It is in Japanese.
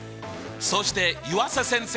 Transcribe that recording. そして湯浅先生！